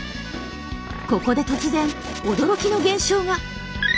ここで突然驚きの現象が！